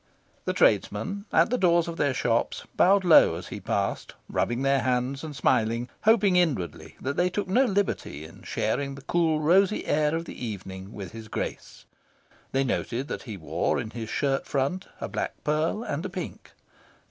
The tradesmen, at the doors of their shops, bowed low as he passed, rubbing their hands and smiling, hoping inwardly that they took no liberty in sharing the cool rosy air of the evening with his Grace. They noted that he wore in his shirt front a black pearl and a pink.